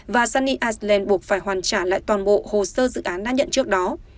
và sunny iceland buộc phải hoàn trả lại toàn bộ hồ sơ dự án đã nhận trước đó